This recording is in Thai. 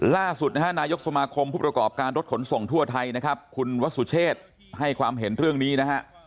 ล่าสุดนะฮะนายกสมาคมผู้ประกอบการรถขนส่งทั่วไทยนะครับคุณวัสสุเชษให้ความเห็นเรื่องนี้นะฮะ